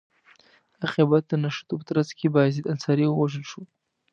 عاقبت د نښتو په ترڅ کې بایزید انصاري ووژل شو.